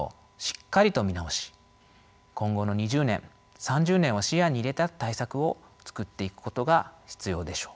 今後の２０年３０年を視野に入れた対策をつくっていくことが必要でしょう。